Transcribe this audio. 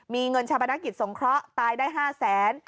มีเงินชาปนกิจสงเคราะห์ตายได้๕แสน